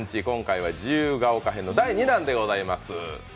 今回は自由が丘編の第２弾でございます。